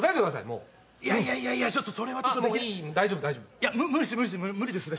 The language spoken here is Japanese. もういやいやいやいやちょっとそれはうんもういい大丈夫大丈夫いや無理っす無理っす無理ですね